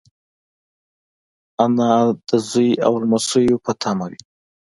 انا د زوی او لمسيو په تمه وي